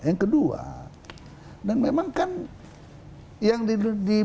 yang kedua dan memang kan yang dibikin di nusa kambangan itu ya